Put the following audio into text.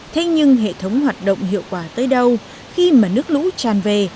thế nhưng hệ thống hoạt động hiệu quả tới đâu khi mà nước lũ tràn về